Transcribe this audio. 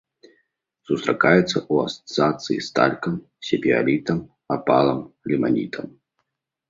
Сустракаецца ў асацыяцыі з талькам, сепіялітам, апалам, ліманітам.